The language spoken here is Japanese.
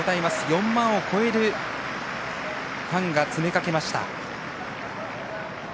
４万を超えるファンが詰めかけました。